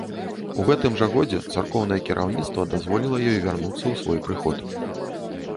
У гэтым жа годзе царкоўнае кіраўніцтва дазволіла ёй вярнуцца ў свой прыход.